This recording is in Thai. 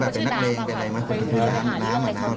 ไปหาด้วยหรือเปล่า